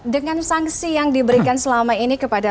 dengan sanksi yang diberikan selama ini kepada